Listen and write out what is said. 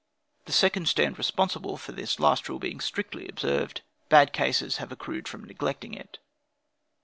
"The seconds stand responsible for this last rule being strictly observed; bad cases have accrued from neglecting it."